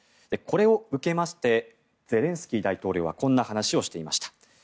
これを受けましてゼレンスキー大統領はこんな話をしていました。